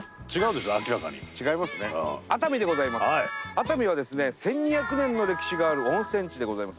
熱海はですね１，２００年の歴史がある温泉地でございます。